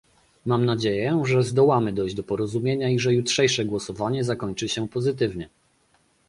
Mam nadzieję, że zdołamy dojść do porozumienia i że jutrzejsze głosowanie zakończy się pozytywnie